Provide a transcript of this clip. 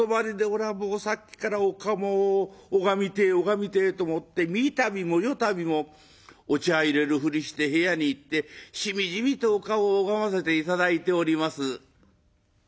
おらもうさっきからお顔を拝みてえ拝みてえと思って三度も四度もお茶いれるふりして部屋に行ってしみじみとお顔を拝ませて頂いております」。